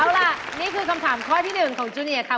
เอาล่ะนี่คือคำถามข้อที่๑ของจูเนียค่ะ